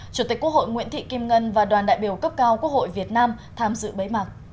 chủ tịch quốc hội nguyễn thị kim ngân và đoàn đại biểu cấp cao quốc hội việt nam tham dự bế mạc